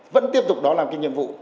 vẫn tiếp tục đó là một cái nhiệm vụ